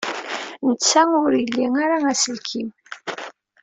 Netta ur ili ara aselkim.